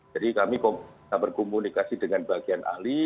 jadi kami bisa berkomunikasi dengan bagian ahli